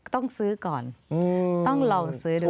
ต้องซื้อก่อนต้องลองซื้อดู